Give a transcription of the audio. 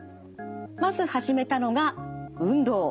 まず始めたのが運動。